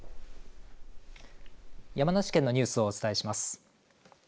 山梨県のニュースをお伝えします。